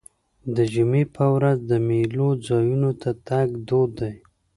د جمعې په ورځ د میلو ځایونو ته تګ دود دی.